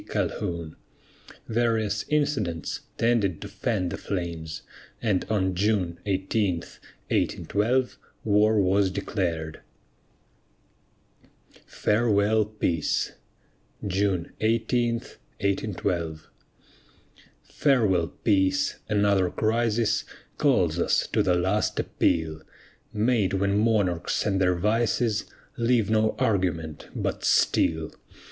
Calhoun. Various incidents tended to fan the flames, and on June 18, 1812, war was declared. FAREWELL, PEACE [June 18, 1812] Farewell, Peace! another crisis Calls us to "the last appeal," Made when monarchs and their vices Leave no argument but steel.